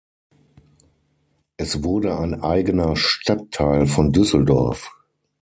Es wurde ein eigener Stadtteil von Düsseldorf.